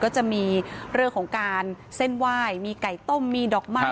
ก็จะมีเรื่องของการเส้นไหว้มีไก่ต้มมีดอกไม้